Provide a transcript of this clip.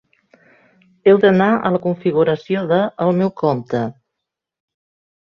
Heu d’anar a la configuració de ‘El meu compte’.